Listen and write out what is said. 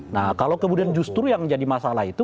nah kalau kemudian justru yang menjadi masalah itu